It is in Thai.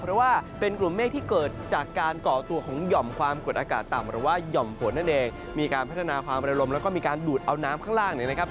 เพราะว่าเป็นกลุ่มเมฆที่เกิดจากการก่อตัวของหย่อมความกดอากาศต่ำหรือว่าหย่อมฝนนั่นเองมีการพัฒนาความระลมแล้วก็มีการดูดเอาน้ำข้างล่างเนี่ยนะครับ